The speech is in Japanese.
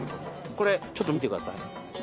これ、ちょっと見てください。